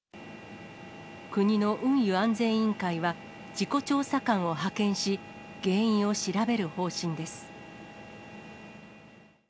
国の運輸安全委員会は、事故調査官を派遣し、原因を調べる方針です。